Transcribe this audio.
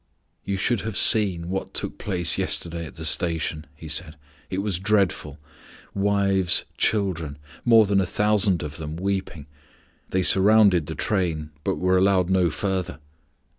"You should have seen what took place yesterday at the station," he said; "it was dreadful. Wives, children, more than a thousand of them, weeping. They surrounded the train, but were allowed no further.